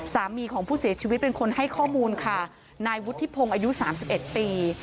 สามีของผู้เสียชีวิตเป็นคนให้ข้อมูลค่ะนายวุฒิทธิพงศ์อายุ๓๑ปี